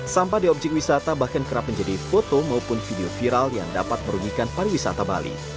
sampah di objek wisata bahkan kerap menjadi foto maupun video viral yang dapat merugikan pariwisata bali